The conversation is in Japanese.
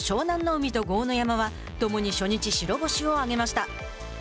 海と豪ノ山はともに初日白星を挙げました。